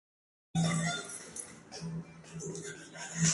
Se encuentra en el suroeste de Sintra, en la costa atlántica.